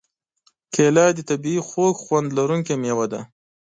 کېله د طبعیي خوږ خوند لرونکې مېوه ده.